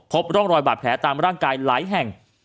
พบร่องรอยบาดแผลตามร่างกายหลายแห่ง